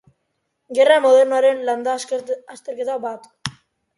Gerra modernoaren landa-azterketa bat.